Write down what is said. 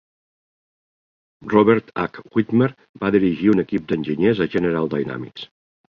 Robert H. Widmer va dirigir un equip d'enginyers a General Dynamics.